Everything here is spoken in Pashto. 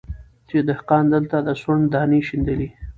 چي دهقان دلته د سونډ دانې شیندلې